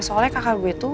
soalnya kakak gue itu